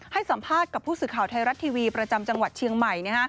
ให้สัมภาษณ์กับผู้สื่อข่าวไทยรัฐทีวีประจำจังหวัดเชียงใหม่